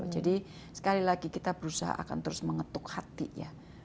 jadi sekali lagi kita berusaha akan terus mengetuk hati ya